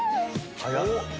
早っ。